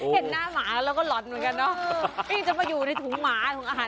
เห็นหน้าหมาแล้วก็หล่อนเหมือนกันน่ะ